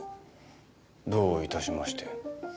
どういたしまして。